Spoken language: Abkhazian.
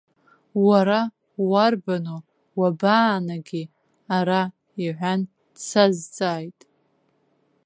Уара уарбану, уабаанагеи ара, иҳәан, дсазҵааит.